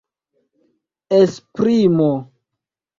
esprimo